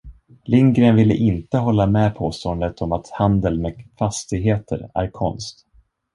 Lindgren ville inte hålla med påståendet om att handel med fastigheter är konst.